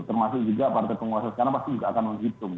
termasuk juga partai penguasa sekarang pasti juga akan menghitung